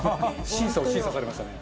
審査を審査されましたね。